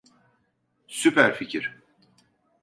Süper fikir.